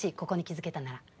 ここに気付けたなら。